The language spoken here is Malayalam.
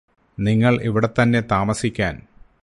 നിങ്ങള് ഇവിടെത്തന്നെ താമസിക്കാൻ